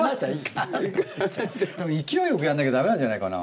勢いよくやんなきゃダメなんじゃないかな。